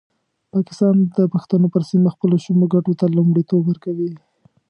پاکستان د پښتنو پر سیمه خپلو شومو ګټو ته لومړیتوب ورکوي.